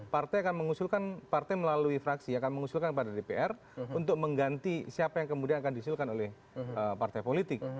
partai akan mengusulkan partai melalui fraksi akan mengusulkan kepada dpr untuk mengganti siapa yang kemudian akan diusulkan oleh partai politik